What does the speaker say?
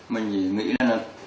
mình chỉ nghĩ là